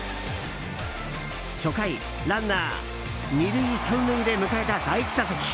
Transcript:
初回、ランナー２塁、３塁で迎えた第１打席。